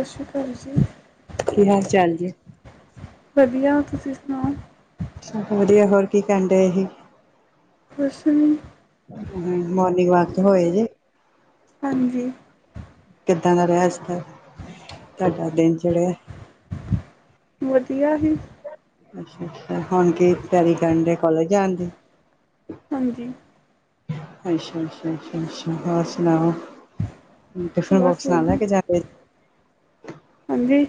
ਸਤਿ ਸ਼੍ਰੀ ਅਕਾਲ ਜੀ। ਕੀ ਹਾਲ ਚਾਲ ਜੇ। ਵਧੀਆ ਤੁਸੀਂ ਸੁਣਾਓ? ਵਧੀਆ। ਹੋਰ ਕੀ ਕਰਣ ਡੇ ਸੀ। ਕੁਸ਼ ਨੀ ਹਮ ਮੋਰਨਿੰਗ ਵਾਕ ਤੇ ਹੋਏ ਜੇ? ਹਾਂਜੀ। ਕਿੱਦਾਂ ਦਾ ਰਿਹਾ ਆਜ ਦਾ, ਤੁਹਾਡਾ ਦਿਨ ਚਿੜ੍ਹਿਐ। ਵਧੀਆ ਸੀ। ਅੱਛਾ- ਅੱਛਾ ਹੁਣ ਕੀ ਤਿਆਰੀ ਕਰਨ ਡੇ ਕਾਲਜ ਜਾਣ ਦੀ। ਹਾਂਜੀ। ਅੱਛਾ- ਅੱਛਾ- ਅੱਛਾ- ਅੱਛਾ ਹੋਰ ਸੁਣਾਓ। ਟਿਫਨ ਬਸ ਬੋਕਸ ਨਾਲ ਲੈ ਵਧੀਆ ਕੇ ਜਾਂਦੇ। ਹਾਂਜੀ?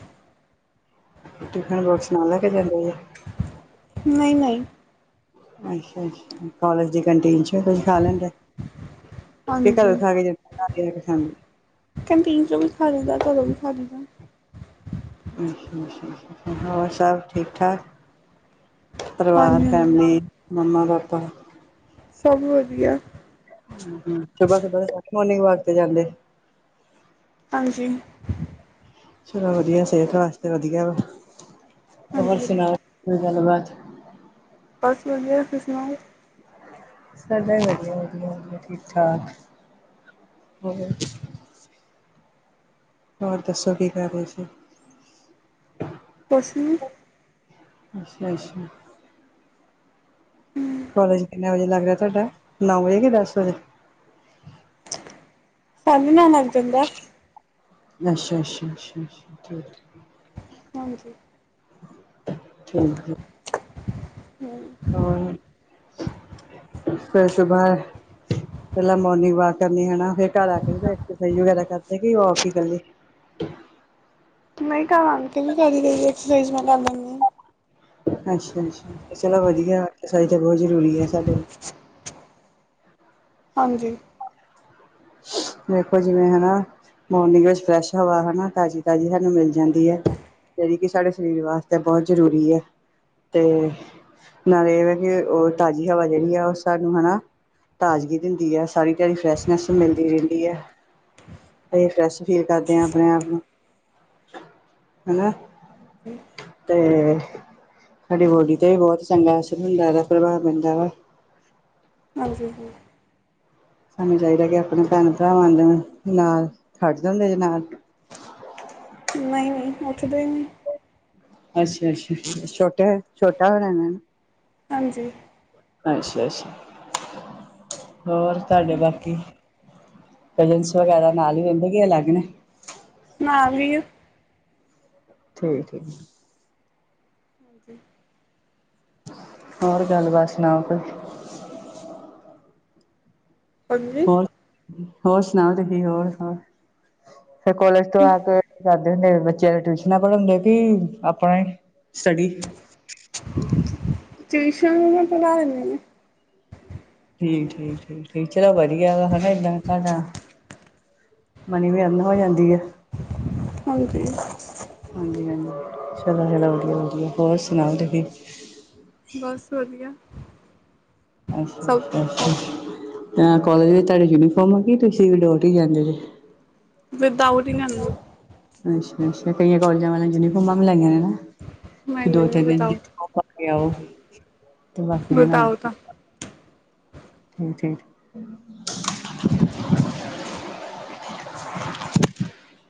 ਟਿਫਨ ਬੋਕਸ ਨਾਲ ਲੈ ਕੇ ਜਾਂਦੇ ਜੇ? ਨਹੀਂ- ਨਹੀਂ। ਅੱਛਾ-ਅੱਛਾ ਕਾਲਜ ਦੀ ਕੰਟੀਨ ਚ ਵੀ ਕੁਝ ਖਾ ਲੈਂਦੇ। ਤੇ ਘਰੋਂ ਹਾਂਜੀ ਖਾ ਕੇ ਜਾਂ [unintelligible] ਕਿ ਸਾਨ [inaudible] ਕੰਟੀਨ ਚੋ ਵੀ ਖਾ ਲਈਦਾ, ਘਰੋ ਵੀ ਖਾ ਲਈ ਦਾ। ਅੱਛਾ-ਅੱਛਾ ਹੋਰ ਸਭ ਠੀਕ- ਠਾਕ? ਪਰਿਵਾਰ, ਹਾਂਜੀ ਹਾਂਜੀ ਫੈਮਲੀ, ਮੰਮਾ-ਪਾਪਾ। ਸਭ ਵਧੀਆ। ਹਮ ਸੁਬਾਹ- ਸੁਬਾਹ ਮੋਰਨਿੰਗ ਵਾਕ ਤੇ ਜਾਂਦੇ [unintelligible] ਹਾਂਜੀ। ਚੱਲੋ ਵਦੀਆ ਸੇਹਤ ਵਾਸਤੇ ਵਦੀਆ ਵਾ, ਹੋਰ ਹਾਂਜੀ ਸੁਨਾਓ ਕੋਈ ਗੱਲਬਾਤ। ਬਸ ਵਦੀਆ ਤੁਸੀਂ ਸੁਨਾਓ। ਸਾਡੇ ਵੀ ਵਧੀਆ-ਵਧੀਆ, ਵਧੀਆ ਠੀਕ-ਠਾਕ ਹੋਰ ਹੋਰ ਦੱਸੋ ਕੀ ਕਰ ਰੇ ਸੀ? ਕੋਸ ਨੀ। ਅਸ਼ਯਾ-ਅਸ਼ਾ। ਕੋਲੇਜ਼ ਕਿੰਨੇ ਵਜੇ ਲੱਗ ਰਯਾ ਤੁਆਡਾ, ਨੌ ਵਜੇ ਕੇ ਦਸ ਵਜੇ? ਸਾਢੇ ਨੌ ਲੱਗ ਜਾਂਦਾ ਐ। ਅਸ਼ਾ-ਅਸ਼ਾ, ਅਸ਼ਾ-ਅਸ਼ਾ ਠੀਕ। ਹਾਂਜੀ। [unintelligible] ਹੋਰ [unintelligible] ਪੈਲਾਂ ਮੋਰਨਿੰਗ ਵਾਕ ਕਰਨੀ ਹਨਾ ਫ਼ੇਰ ਘਰ ਆ ਕੇ ਕੋਈ ਐਕਸਰਸਾਈਜ਼ ਵਗੈਰਾ ਕਰਦੇ ਕੇ ਵਾਕ ਈ ਕੱਲੀ। ਨਈ ਘਰ ਆਨ ਕੇ ਕਰ ਲਈ ਦੀ ਆ ਐੱਕਸਾਈਜ਼ ਮੈਂ ਕਰ ਲੈਣੀ ਆ‌। ਅਸ਼ਾ-ਅਸ਼ਾ ਚਲੋਂ ਵਧੀਆਂ ਐਕਸਾਈਜ਼ ਤਾਂ ਬੋਤ ਜ਼ਰੂਰੀ ਐ ਸਾਡੇ ਹਾਂਜੀ। ਵੇਖੋ ਜਿਵੇਂ ਹਨਾ ਮੋਰਨਿੰਗ ਵਿੱਚ ਫਰੈਸ਼ ਹਵਾ, ਹਨਾ ਤਾਜ਼ੀ-ਤਾਜ਼ੀ ਸਾਨੂੰ ਮਿਲ ਜਾਂਦੀ ਐ। ਜੇ ੜੀ ਕਿ ਸਾਡੇ ਸਰੀਰ ਵਾਸਤੇ ਬੋਤ ਜ਼ਰੂਰੀ ਐ ਤੇ ਨਾਲ਼ੇ ਏ ਵੇ ਕੇ ਓ ਤਾਜ਼ੀ ਹਵਾ ਜੇੜੀ ਆ ਓ ਸਾਨੂੰ ਹਨਾ ਤਾਜ਼ਗੀ ਦਿੰਦੀ ਐ, ਸਾਰੀ ਦਿਹਾੜੀ ਫਰੈਸ਼ਨੈਸ ਮਿਲ਼ਦੀ ਰੈਂਦੀ ਐ ਤੇ ਫਰੈਸ਼ ਫੀਲ ਕਰਦੇ ਆਂ ਅਪਨੇ ਆਪ ਨੂੰ। ਹਨਾ ਤੇ ਸਾਡੀ ਬੋਲੀ 'ਤੇ ਵੀ ਬੋਤ ਚੰਗਾ ਅਸਰ ਹੁੰਦਾ ਗਾ ਪ੍ਰਭਾਵ ਪੈਂਦਾ ਵਾ। ਹਾਂਜੀ ਜੀ। ਸਾਨੂੰ ਚਾਈਦਾ ਕਿ ਅਪਨੇ ਭੈਣ ਭਰਾਵਾਂ ਦੇ ਨਾਲ਼ ਖੜ ਜਾਂਦੇ ਜੇ ਨਾਲ ਨਈ-ਨਈ ਉੱਠਦੇ ਈ ਨੀ। ਅਸ਼ਾ-ਅਸ਼ਾ ਛੋਟੇ ਛੋਟਾ ਹੋਨੇ ਨੇ ਨਾ। ਹਾਂਜੀ। ਅਸ਼ਾ-ਅਸ਼ਾ ਹੋਰ ਤੁਹਾਡੇ ਬਾਕੀ ਕਜ਼ਨਸ ਵਗੈਰਾ ਨਾਲ਼ ਈ ਰੈਂਦੇ ਕਿ ਅਲੱਗ ਨੇ? ਨਾਲ ਵੀ ਆ। ਠੀਕ-ਠੀਕ। [unintelligible] ਹੋਰ ਗੱਲਬਾਤ ਸੁਨਾਓ ਕੋਈ। ਹਾਂਜੀ ਹੋਰ, ਹੋਰ ਸੁਨਾਓ ਤੁਸੀਂ ਹੋਰ ਹੋਰ ਫ਼ਿਰ ਕੋਲੇਜ ਤੋਂ ਆ ਕੇ ਕੀ ਕਰਦੇ ਹੁੰਦੇ ਫੇਰ ਬੱਚੇਆਂ ਨੂੰ ਟਿਊਸ਼ਨਾਂ ਪੜ੍ਹਾਂਦੇ ਓ ਕੀ ਅਪਨਾ ਈ ਸਟੱਡੀ ਟਿਊਸ਼ਨ ਮੈਂ ਪੜ੍ਹਾ ਲੈਂਨੀ ਆਂ। ਠੀਕ, ਠੀਕ, ਠੀਕ, ਠੀਕ ਚੱਲੋ ਵਧੀਆਂ ਹੈਗਾ ਵਾ ਏਦਾਂ ਤੁਆਡਾ ਮਨੀ ਵੀ ਅਰਨ ਹੋ ਜਾਂਦੀ ਐ। ਹਾਂਜੀ। ਹਾਂਜੀ-ਹਾਂਜੀ, ਚੱਲੋ ਚੱਲੋ ਵਦੀਆ-ਵਦੀਆ, ਹੋਰ ਸੁਨਾਓ ਤੁਸੀਂ। ਬਸ ਵਦੀਆ। ਅੱਛਾ-ਅੱਛਾ-ਅੱਛਾ। ਮੈਂ ਕਿ ਕਾਲਜ ਵਿੱਚ ਤੁਹਾਡੇ ਯੂਨੀਫਾਰਮ ਆ ਕੀ ਤੁਸੀਂ ਵਿਦਆਊਟ ਈ ਜਾਂਦੇ ਜੇ? ਵਿਦਆਊਟ ਈ ਜਾਂਣੀ ਆ। ਅੱਛਾ-ਅੱਛਾ। ਕਈਆਂ ਕਾਲਜਾਂ ਵਾਲਿਆਂ ਨੇ ਯੂਨੀਫੋਮਾਂ ਵੀ ਲਈਆਂ ਨੇ ਨਾ ਮੈਂ ਕਿ ਲੈਂਦੀ ਦੋ-ਤਿੰਨ ਦਿਨ ਵਿਦਊਟ ਯੂਨੀਫਾਮ ਪਾ ਕੇ ਆਓ ਤੇ ਬਾਕੀ ਦਿਨ ਵਿਦਊਟ ਆ [unintelligible] [unintelligible]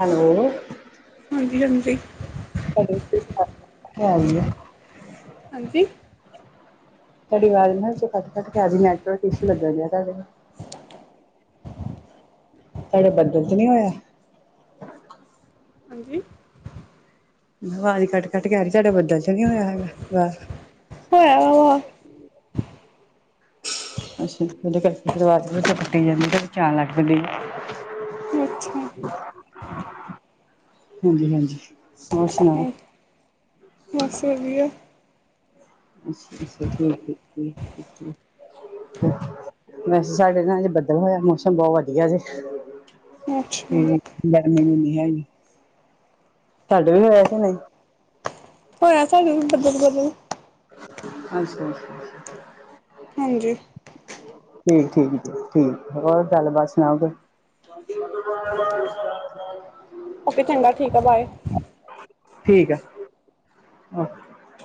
ਹੈਲੋ ਹਾਂਜੀ-ਹਾਂਜੀ। [unintelligible] ਹਾਂਜੀ ਤੁਹਾਡੀ ਵਾਜ਼ ਨਾ ਵਿਚੋਂ ਕੱਟ-ਕੱਟ ਕੇ ਆ ਰਹੀ, ਨੈੱਟਵਰਕ ਇਸ਼ੂ ਲੱਗਣ ਡਿਆ ਤੁਹਾਡੇ ਤੁਹਾਡੇ ਬੱਦਲ ਤੇ ਨੀਂ ਹੋਇਆਂ? ਹਾਂਜੀ ਆਵਾਜ਼ ਕੱਟ-ਕੱਟ ਕੇ ਆ ਰਹੀ, ਤੁਹਾਡੇ ਬੱਦਲ ਤਾਂ ਨੀਂ ਹੋਇਆ ਹੈਗਾ ਬਾਹਰ? ਹੋਇਆ ਹੋਆ। ਅੱਛਾ, ਉਹਦੇ ਕਰਕੇ ਆਵਾਜ਼ ਕੱਟੀ ਜਾਂਦੀ ਤੇ ਕਦੇ ਆਣ ਲੱਗ ਪੈਂਦੀ ਆ। ਅੱਛਾ। ਹਾਂਜੀ-ਹਾਂਜੀ। ਹੋਰ ਸੁਣਾਓ? ਬਸ ਵਧੀਆ। ਅੱਛਾ-ਅੱਛਾ। ਠੀਕ-ਠੀਕ ਐ। [unintelligible] ਵੈਸੇ ਸਾਡੇ ਨਾ ਅੱਜ ਬੱਦਲ ਹੋਇਆ, ਮੌਸਮ ਬਹੁਤ ਵਧੀਆ ਜੇ। ਅੱਛਾ ਹਮ ਗਰਮੀ ਨੀ ਇਨੀਂ ਹੈਨੀ, ਤੁਹਾਡੇ ਵੀ ਹੋਇਆ ਕਿ ਨਈ? ਹੋਇਆ ਸਾਨੂੰ ਵੀ [unintelligible] ਅਛਾ-ਅਛਾ-ਅਛਾ। ਹਾਂਜੀ। ਠੀਕ-ਠੀਕ ਜੀ, ਠੀਕ। ਹੋਰ ਗੱਲ ਬਾਤ ਸੁਣਾਓ ਫਿਰ? [unintelligible] ਓਕੇ ਚੰਗਾ ਠੀਕ ਆ, ਬਾਏ। ਠੀਕ ਆ। ਓਕੇ।